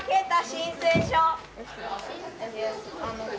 申請書！